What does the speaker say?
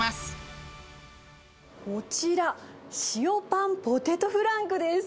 こちら、塩パンポテトフランクです。